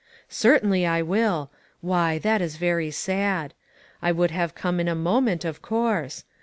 "Certainly, I will. Why, that is very sad. I would have come in a moment, of course.